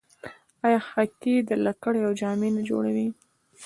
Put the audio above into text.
آیا د هاکي لکړې او جامې نه جوړوي؟